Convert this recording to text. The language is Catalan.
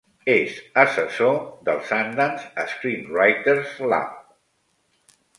És assessor del Sundance Screenwriters Lab.